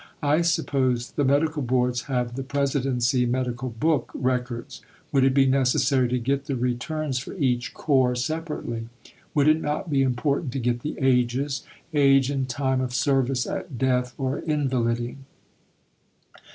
I suppose the Medical Boards have the Presidency Medical Book Records. Would it be necessary to get the Returns for each Corps separately? Would it not be important to get the ages age and time of service at Death or Invaliding?